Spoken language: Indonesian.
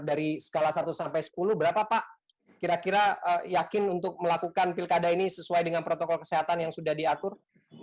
dari skala satu sampai sepuluh berapa pak kira kira yakin untuk melakukan pilkada ini sesuai dengan protokol kesehatan yang sudah diatur